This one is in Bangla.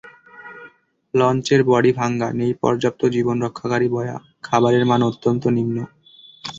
লঞ্চের বডি ভাঙা, নেই পর্যাপ্ত জীবনরক্ষাকারী বয়া, খাবারের মান অত্যন্ত নিম্ন।